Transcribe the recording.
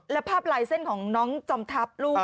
และภาพลายเส้นของน้องจอมทัพลูก